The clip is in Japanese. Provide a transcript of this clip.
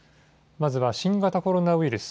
まずは新型コロナウイルス。